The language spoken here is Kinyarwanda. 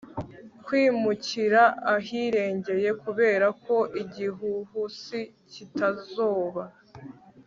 kwimukira ahirengeye kubera ko igihuhusi kitazoba